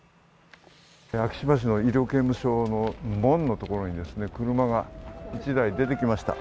昭島市の医療刑務所の門のところに車が１台出てきました。